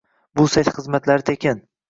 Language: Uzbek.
Bu sayt xizmatlari tekin